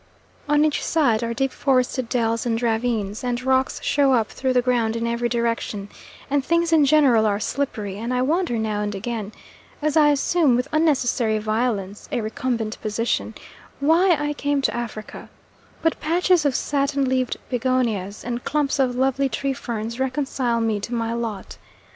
On each side are deep forested dells and ravines, and rocks show up through the ground in every direction, and things in general are slippery, and I wonder now and again, as I assume with unnecessary violence a recumbent position, why I came to Africa; but patches of satin leaved begonias and clumps of lovely tree ferns reconcile me to my lot.